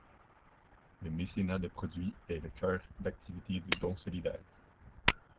Le mécénat de produits est le cœur d'activité de Dons Solidaires.